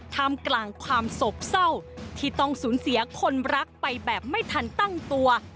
ท่ามกลางความโศกเศร้าที่ต้องสูญเสียคนรักไปแบบไม่ทันตั้งตัว